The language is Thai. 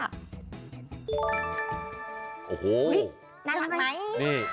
น่ารักไหม